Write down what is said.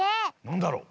なんだろう？